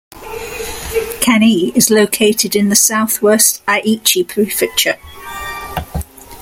Kanie is located in the southwest Aichi Prefecture.